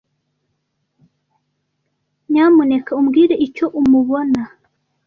Nyamuneka umbwire icyo umubona?